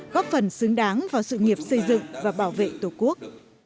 góp phần xứng đáng vào sự nghiệp xây dựng và bảo vệ tổ quốc